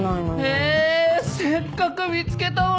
えっせっかく見つけたのに。